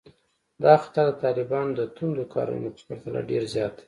دا خطر د طالبانو د توندو کارونو په پرتله ډېر زیات دی